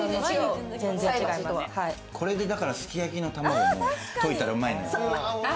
これですき焼きのたまごも、といたら、うまいのよ。